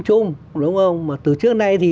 chung đúng không mà từ trước nay thì